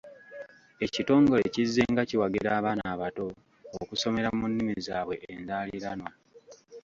Ekitongole kizzenga kiwagira abaana abato okusomera mu nnimi zaabwe enzaaliranwa.